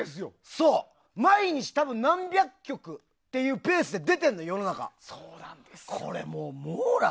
毎日、多分何百曲というペースで出てるの、世の中では。